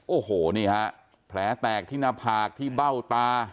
โอ้โหนี่ฮะแผลแตกที่หน้าผากที่เบ้าตา